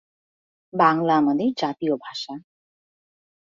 বাংলা আমাদের জাতীয় ভাষা।